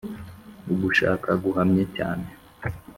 ugushaka guhamye cyane,